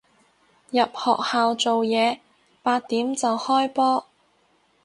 入學校做嘢，八點就開波